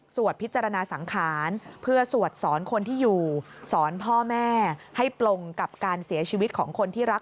พิจารณาสังขารเพื่อสวดสอนคนที่อยู่สอนพ่อแม่ให้ปลงกับการเสียชีวิตของคนที่รัก